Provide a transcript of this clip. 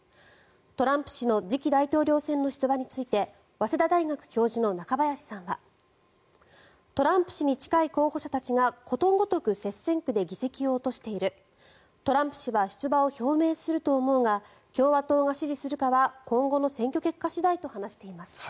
トランプ氏の次期大統領選の出馬について早稲田大学教授の中林さんはトランプ氏に近い候補者たちがことごとく接戦区で議席を落としているトランプ氏は出馬を表明すると思うが共和党が支持するかは今後の選挙結果次第と話しています。